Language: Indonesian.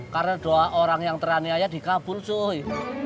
karena doa orang yang terani aja dikabul cuy